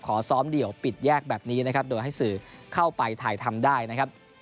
ขอซ้อมเดี่ยวปิดแยกแบบนี้นะครับโดยให้สื่อเข้าไปถ่ายทำได้นะครับ